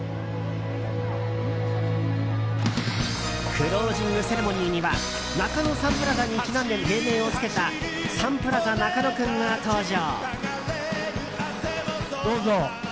クロージングセレモニーには中野サンプラザにちなんで芸名を付けたサンプラザ中野くんが登場。